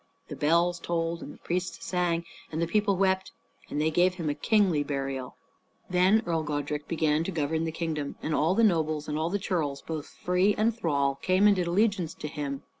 The bells tolled and the priests sang, and the people wept; and they gave him a kingly burial. Then Earl Godrich began to govern the kingdom; and all the nobles and all the churls, both free and thrall, came and did allegiance to him.